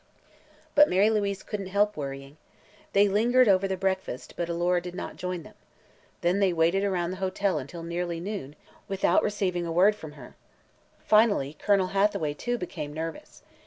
But Mary Louise couldn't help worrying. They lingered over the breakfast, but Alora did not join them. Then they waited around the hotel until nearly noon, without receiving a word from her. Finally Colonel Hathaway, too, became nervous.